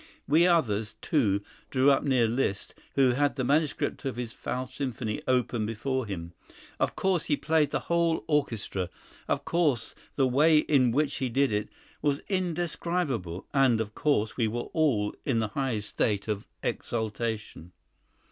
We others, too, drew up near Liszt, who had the manuscript of his 'Faust' symphony open before him. Of course he played the whole orchestra; of course the way in which he did it was indescribable; and—of course we all were in the highest state of exaltation.